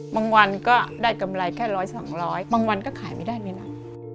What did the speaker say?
บางวันก็ได้กำไรแค่ร้อยสองร้อยบางวันก็ขายไม่ได้ไม่รัก